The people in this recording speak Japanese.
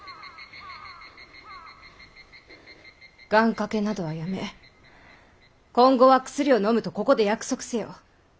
願かけなどはやめ今後は薬をのむとここで約束せよ。